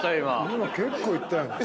今結構いったよね。